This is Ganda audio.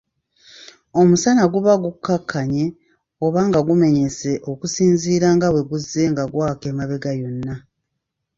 Omusana guba gukkakkanye oba nga gumenyese okusinziira nga bwe guzze nga gwaka emabega yonna.